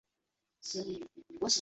卢武铉一家因此躲过一劫。